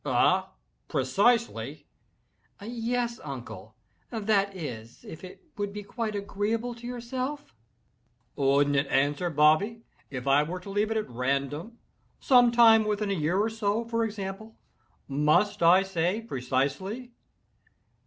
"Ah!—precisely?" "Yes, uncle—that is, if it would be quite agreeable to yourself." "Wouldn't it answer, Bobby, if I were to leave it at random—some time within a year or so, for example?—must I say precisely?"